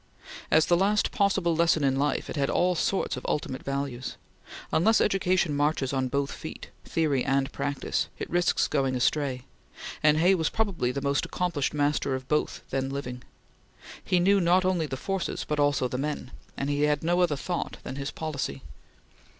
As the last possible lesson in life, it had all sorts of ultimate values. Unless education marches on both feet theory and practice it risks going astray; and Hay was probably the most accomplished master of both then living. He knew not only the forces but also the men, and he had no other thought than his policy.